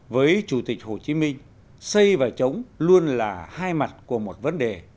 với chủ tịch hồ chí minh xây và chống luôn là hai mặt của một vấn đề